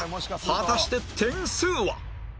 果たして点数は？